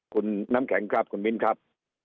คุณน้ำแข็งครับคุณมิ้นครับ